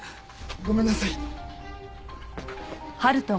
ごめんなさい。